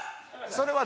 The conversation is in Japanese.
それは。